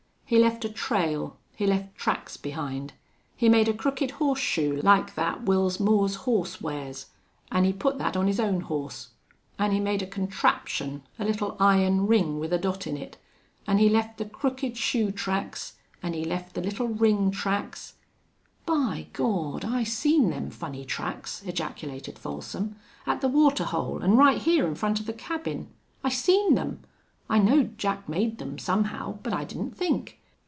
He left a trail he left tracks behind. He made a crooked horseshoe, like that Wils Moore's horse wears, an' he put that on his own horse. An' he made a contraption a little iron ring with a dot in it, an' he left the crooked shoe tracks, an' he left the little ring tracks " "By Gawd! I seen them funny tracks!" ejaculated Folsom. "At the water hole an' right hyar in front of the cabin. I seen them. I knowed Jack made them, somehow, but I didn't think.